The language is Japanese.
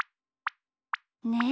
ねえ。